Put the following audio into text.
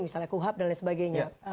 misalnya kuhab dan lain sebagainya